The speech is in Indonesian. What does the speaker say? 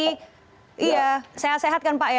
iya sehat sehat kan pak ya